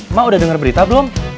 emak udah dengar berita belum